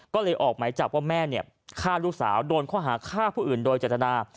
ก็เลยออกหมายจับว่าแม่ฆ่าลูกสาวโดนข้อหาฆ่าผู้อื่นโดยเจตนา